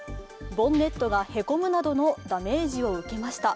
ボンネットがへこむなどのダメージを受けました。